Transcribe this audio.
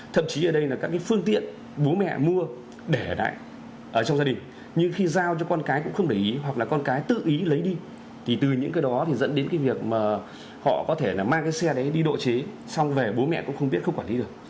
thậm chí ở đây là các cái phương tiện bố mẹ mua để ở lại ở trong gia đình nhưng khi giao cho con cái cũng không để ý hoặc là con cái tự ý lấy đi thì từ những cái đó thì dẫn đến cái việc mà họ có thể là mang cái xe đấy đi độ chế xong về bố mẹ cũng không biết không quản lý được